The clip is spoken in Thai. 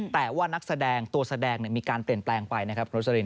แต่ว่านักแสดงตัวแสดงมีการเปลี่ยนแปลงไปนะครับโรสลิน